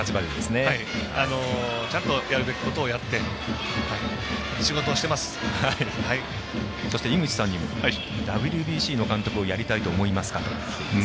ちゃんとやるべきことをやってそして、井口さんにも。ＷＢＣの監督をやりたいと思いますか？